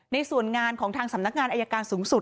ในส่วนงานของทางสำนักงานอายการสูงสุด